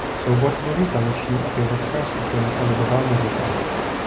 Soubor tvoří taneční a pěvecká skupina a lidová muzika.